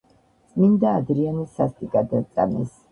წმინდა ადრიანე სასტიკად აწამეს.